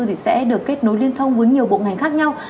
thì sẽ được kết nối liên thông với nhiều bộ ngành khác nhau